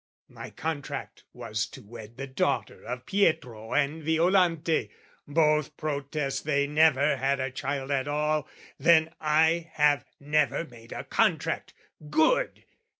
My contract was to wed "The daughter of Pietro and Violante. Both "Protest they never had a child at all. "Then I have never made a contract: good!